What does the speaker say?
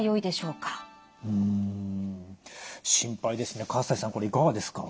うん心配ですね。